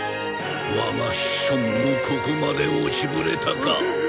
我が子孫もここまで落ちぶれたか。